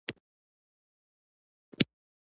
پر یوه ډېر کوچني جرم تورن وپېژندل شو.